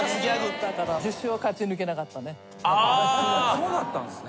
そうだったんですね。